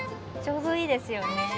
ちょうどいいですよね。